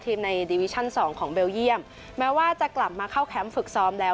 ในดิวิชั่นสองของเบลเยี่ยมแม้ว่าจะกลับมาเข้าแคมป์ฝึกซ้อมแล้ว